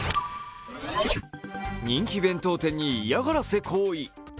人気弁当店に嫌がらせ行為。